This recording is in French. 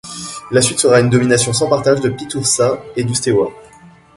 La suite sera une domination sans partage de Piţurcă et du Steaua.